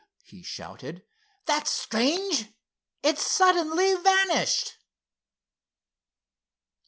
he shouted. "That's strange! It's suddenly vanished!"